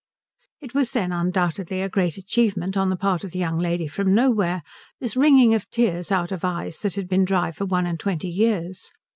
It was then undoubtedly a great achievement on the part of the young lady from nowhere, this wringing of tears out of eyes that had been dry for one and twenty years.